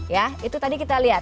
ya itu tadi kita lihat